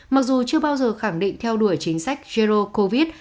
mặc dù chưa bao giờ khẳng định theo đuổi chính sách jero covid